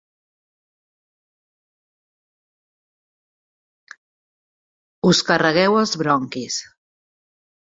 Us carregueu els bronquis.